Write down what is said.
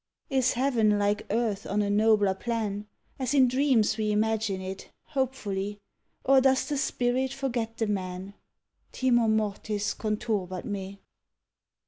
_ Is heaven like earth on a nobler plan, As in dreams we image it, hopefully, Or does the Spirit forget the Man? _Timor mortis conturbat me.